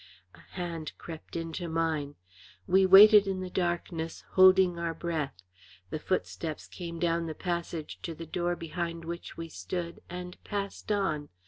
A hand crept into mine; we waited in the darkness, holding our breath. The footsteps came down the passage to the door behind which we stood and passed on.